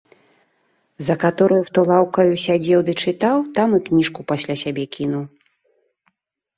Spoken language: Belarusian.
За катораю хто лаўкаю сядзеў ды чытаў, там і кніжку пасля сябе кінуў.